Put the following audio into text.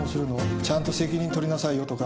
「ちゃんと責任取りなさいよ」とか。